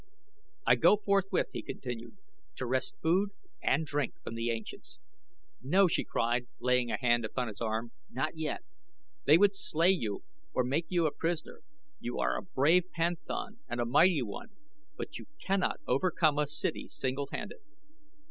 "I go forthwith," he continued, "to wrest food and drink from the ancients." "No," she cried, laying a hand upon his arm, "not yet. They would slay you or make you prisoner. You are a brave panthan and a mighty one, but you cannot overcome a city singlehanded."